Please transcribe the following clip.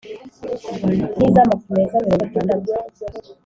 n’iz’amafu meza mirongo itandatu